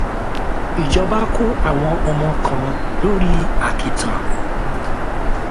Ìjọba kó àwọn ọmọ kan lóri àkìtàn.